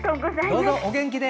どうぞお元気で！